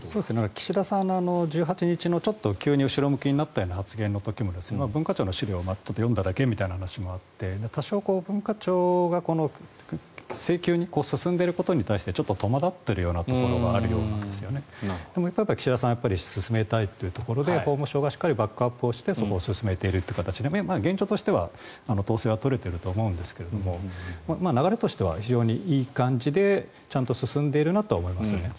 岸田さんの１８日のちょっと急に後ろ向きになったような発言の時も文化庁の資料を読んだだけみたいな話もあって多少、文化庁が請求に進んでいることに対してちょっと戸惑っているようなところがあるようですが岸田さんは進めたいということで法務省がしっかりバックアップして進めているというところで現状としては統制は取れていると思いますが流れとしてはいい感じでちゃんと進んでいるなとは思います。